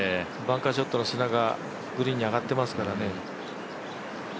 バンカーショットの砂がグリーンに上がってますからね。